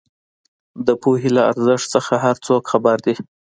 د پوهې له ارزښت نۀ هر څوک خبر دی